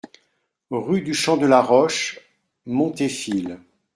Rue du Champ de la Roche, Monterfil